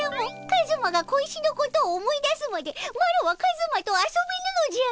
カズマが小石のことを思い出すまでマロはカズマと遊べぬのじゃ！